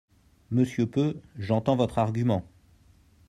Monsieur Peu, j’entends votre argument.